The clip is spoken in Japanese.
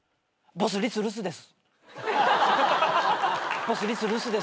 「ボスリス留守です」